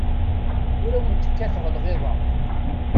Ur awent-kkateɣ lɣiḍa.